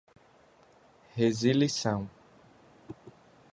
resilição